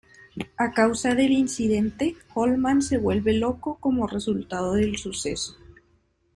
A causa del incidente, Holman se vuelve loco como resultado del suceso.